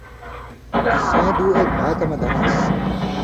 سَیں دُو اک بھا کہ مہ دھران٘س۔